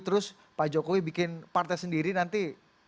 terus pak jokowi bikin partai sendiri nanti